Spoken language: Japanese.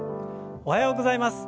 おはようございます。